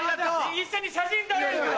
一緒に写真撮れるから。